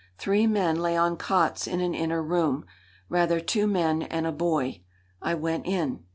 Three men lay on cots in an inner room rather, two men and a boy. I went in.